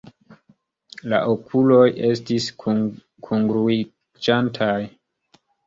La okuloj estis kungluiĝantaj.